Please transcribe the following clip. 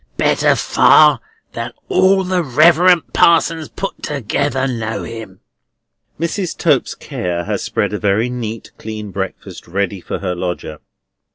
Better far than all the Reverend Parsons put together know him." Mrs. Tope's care has spread a very neat, clean breakfast ready for her lodger.